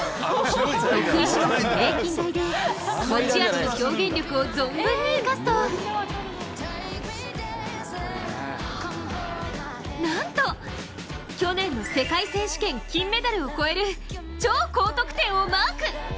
得意種目・平均台で、持ち味の表現力を存分に生かすとなんと、去年の世界選手権金メダルを超える超高得点をマーク！